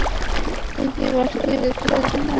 তুমি কি বাসায় যেতে চাও না?